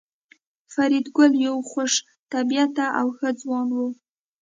فریدګل یو خوش طبیعته او ښه ځوان و